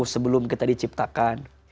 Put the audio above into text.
sebelum kita diciptakan